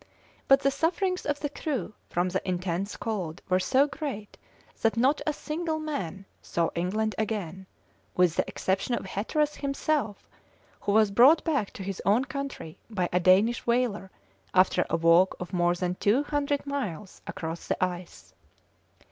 But the sufferings of the crew from the intense cold were so great that not a single man saw England again, with the exception of Hatteras himself, who was brought back to his own country by a Danish whaler after a walk of more than two hundred miles across the ice.